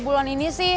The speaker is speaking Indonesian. baik tunggu satis